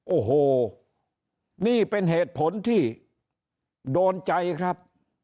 โอ้โหนี่เป็นเหตุผลที่โดนใจครับ